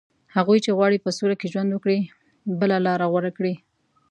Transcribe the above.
هغوی چې غواړي په سوله کې ژوند وکړي، به بله لاره غوره کړي